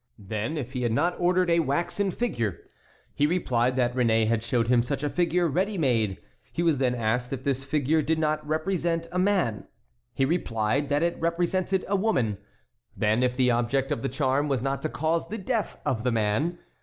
Then, if he had not ordered a waxen figure. He replied that Réné had showed him such a figure ready made. He was then asked if this figure did not represent a man. He replied that it represented a woman. Then, if the object of the charm was not to cause the death of the man.